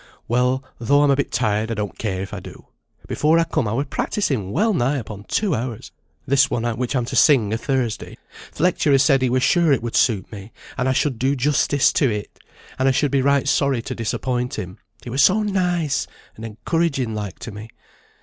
"Well, though I'm a bit tir'd, I don't care if I do. Before I come, I were practising well nigh upon two hours this one which I'm to sing o' Thursday. Th' lecturer said he were sure it would just suit me, and I should do justice to it; and I should be right sorry to disappoint him, he were so nice and encouraging like to me.